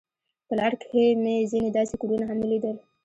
په لار کې مې ځینې داسې کورونه هم ولیدل.